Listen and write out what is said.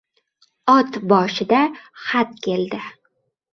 Ot boshida xat keldi.